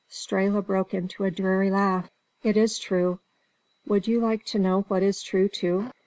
Strehla broke into a dreary laugh. "It is true. Would you like to know what is true too?